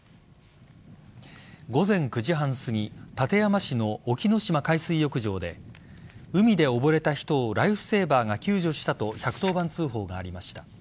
午前９時半すぎ館山市の沖ノ島海水浴場で海で溺れた人をライフセーバーが救助したと１１０番通報がありました。